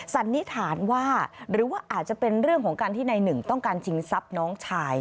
สันนิษฐานว่าหรือว่าอาจจะเป็นเรื่องของการที่ในหนึ่งต้องการชิงทรัพย์น้องชาย